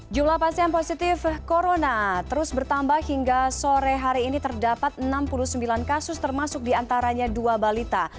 jumlah pasien positif corona terus bertambah hingga sore hari ini terdapat enam puluh sembilan kasus termasuk diantaranya dua balita